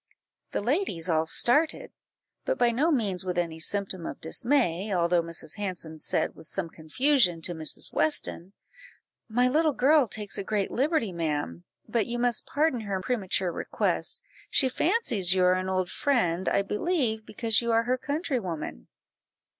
The ladies all started, but by no means with any symptom of dismay, although Mrs. Hanson said, with some confusion, to Mrs. Weston "My little girl takes a great liberty, ma'am, but you must pardon her premature request; she fancies you are an old friend, I believe, because you are her countrywoman."